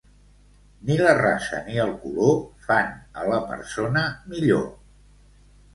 Ni la raça ni el color fan a la persona millor.